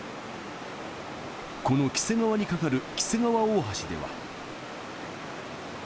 この黄瀬川に架かる黄瀬川大橋では。